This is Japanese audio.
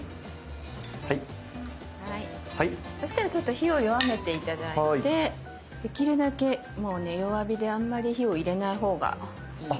そしたらちょっと火を弱めて頂いてできるだけもう弱火であんまり火を入れないほうがいいです。